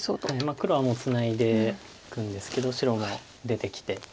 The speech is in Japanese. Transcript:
黒はもうツナいでいくんですけど白も出てきて。